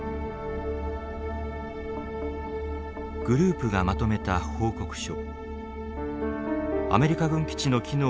グループがまとめた報告書。